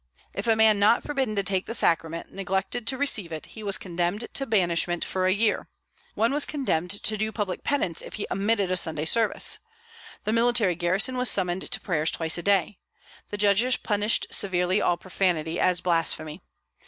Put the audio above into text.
If a man not forbidden to take the Sacrament neglected to receive it, he was condemned to banishment for a year. One was condemned to do public penance if he omitted a Sunday service. The military garrison was summoned to prayers twice a day. The judges punished severely all profanity, as blasphemy.